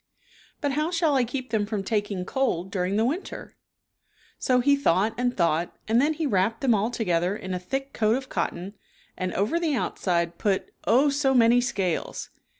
But how shall I keep them from taking cold during the winter?" So he thought and thought, and then he wrapped them all together in a thick coat of cotton and over the outside put, oh, so many scales